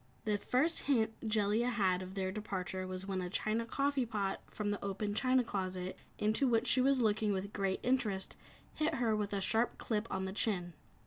The first hint Jellia had of their departure was when a china coffee pot from the open china closet into which she was looking with great interest, hit her a sharp clip on the chin.